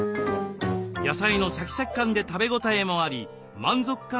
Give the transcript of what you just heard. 野菜のシャキシャキ感で食べ応えもあり満足感